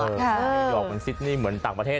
นิวยอร์กมันซิดนี่เหมือนต่างประเทศ